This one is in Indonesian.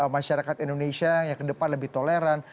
masyarakat indonesia yang ke depan lebih toleran